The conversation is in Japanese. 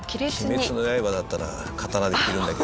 『鬼滅の刃』だったら刀で切るんだけどな。